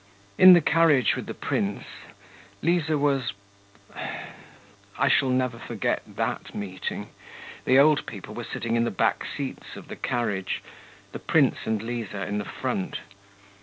In the carriage with the prince, Liza was ... I shall never forget that meeting! The old people were sitting in the back seats of the carriage, the prince and Liza in the front.